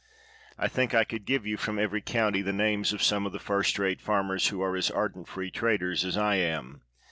I think I could give you from every county the names of some of the first rate farmers who are as ardent free traders as I am.